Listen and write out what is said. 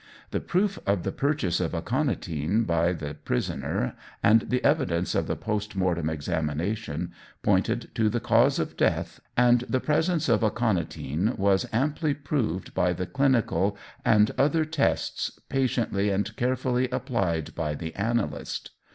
The proof of the purchase of aconitine by the prisoner, and the evidence of the post mortem examination, pointed to the cause of death, and the presence of aconitine was amply proved by the clinical and other tests patiently and carefully applied by the analyst.